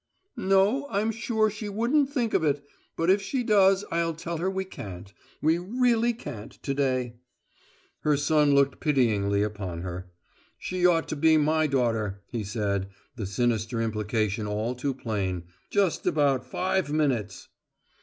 "No; I'm sure she wouldn't think of it, but if she does I'll tell her we can't. We really can't, to day." Her son looked pityingly upon her. "She ought to be _my _ daughter," he said, the sinister implication all too plain; "just about five minutes!"